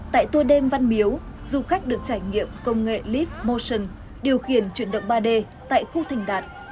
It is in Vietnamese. tại tour đêm văn miếu du khách được trải nghiệm công nghệ leaf motion điều khiển chuyển động ba d tại khu thình đạt